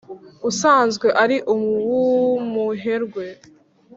usanzwe ari uw’umuherwe